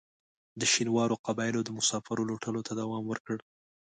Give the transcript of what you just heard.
د شینوارو قبایلو د مسافرو لوټلو ته دوام ورکړ.